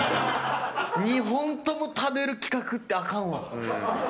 ２本とも食べる企画ってあかんわ。